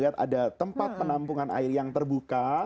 ada tempat penampungan air yang terbuka